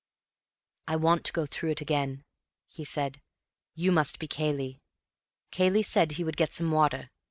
"I want to go through it again," he said. "You must be Cayley. Cayley said he would get some water.